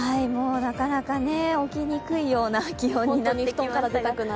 なかなか起きにくいような気温になってきました。